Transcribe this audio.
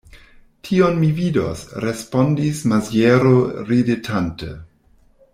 Tion mi vidos, respondis Maziero ridetante.